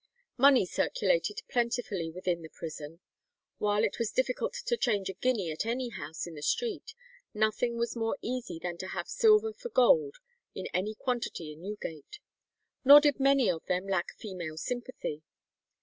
Money circulated plentifully within the prison. While it was difficult to change a guinea at any house in the street, nothing was more easy than to have silver for gold in any quantity in Newgate. Nor did many of them lack female sympathy.